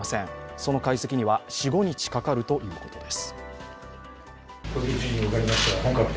その解析には４５日かかるということです。